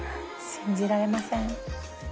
信じられません。